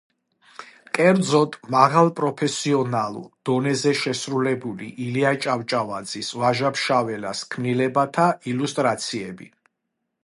კერძოდ მაღალ პროფესიონალურ დონეზე შესრულებული ილია ჭავჭავაძის, ვაჟა ფშაველას ქმნილებათა ილუსტრაციები.